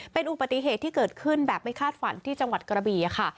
เป็นอุปติเหตุที่เกิดขึ้นแบบไม่คาดฝันที่จังหวัดกระบี่ค่ะ